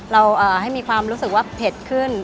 เราให้มีความรู้สึกว่าเผ็ดขึ้น